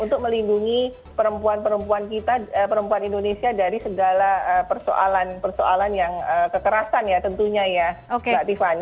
untuk melindungi perempuan perempuan kita perempuan indonesia dari segala persoalan persoalan yang kekerasan ya tentunya ya mbak tiffany